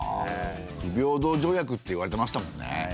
不平等条約っていわれてましたもんね。